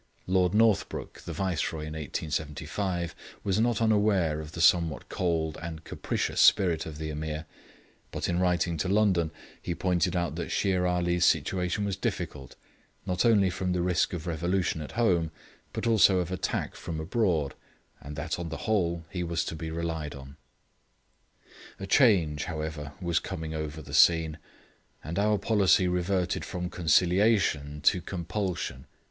Lord Northbrook, the Viceroy in 1875, was not unaware of the somewhat cold and capricious spirit of the Ameer, but in writing to London he pointed out that Shere Ali's situation was difficult, not only from the risk of revolution at home, but also of attack from abroad, but that on the whole he was to be relied on. A change, however, was coming over the scene, and our policy reverted from conciliation to compulsion.